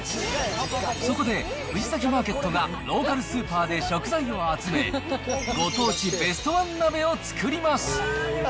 そこで藤崎マーケットが、ローカルスーパーで食材を集め、ご当地ベストワン鍋を作ります。